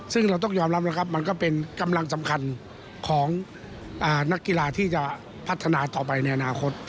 ซึ่งเราต้องยอมรับนะครับมันก็เป็นกำลังสำคัญของนักกีฬาที่จะพัฒนาต่อไปในอนาคต